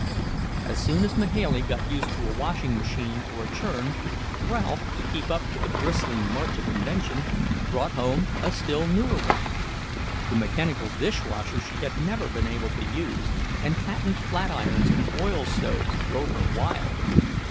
As soon as Mahailey got used to a washing machine or a churn, Ralph, to keep up with the bristling march of invention, brought home a still newer one. The mechanical dish washer she had never been able to use, and patent flat irons and oil stoves drove her wild.